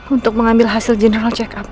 untuk mengambil hasil general check up